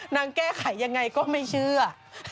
นางแก้ไขยังไงก็ไม่เชื่อ